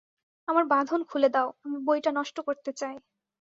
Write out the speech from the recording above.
আমার বাঁধন খুলে দাও, আমি বইটা নষ্ট করতে চাই।